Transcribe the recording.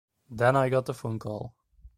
Then I got the phone call.